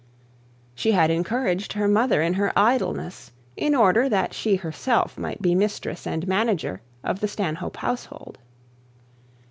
She had encouraged her mother in her idleness in order that she herself might be mistress and manager of the Stanhope household.